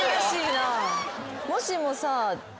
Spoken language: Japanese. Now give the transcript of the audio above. もしもさ。